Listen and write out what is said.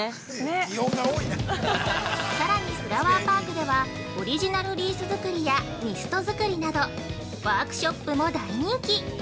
◆さらにフラワーパークでは、オリジナルリース作りやミスト作りなど、ワークショップも大人気。